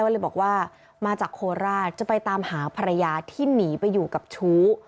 เลยบอกว่ามาจากโคราชจะไปตามหาภรรยาที่หนีไปอยู่กับชู้